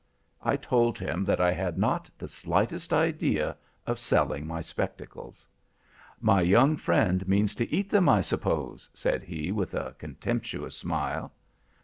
"I told him that I had not the slightest idea of selling my spectacles. "'My young friend means to eat them, I suppose,' said he with a contemptuous smile.